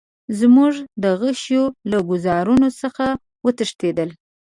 زموږ د غشیو له ګوزارونو څخه وتښتېدل.